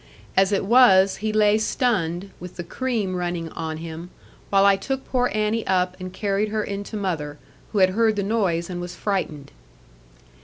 As it was, he lay stunned, with the cream running on him; while I took poor Annie up and carried her in to mother, who had heard the noise and was frightened.